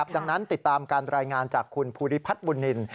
ดังนั้นติดตามการรายงานจากคุณภูริพัฒน์บุญนิน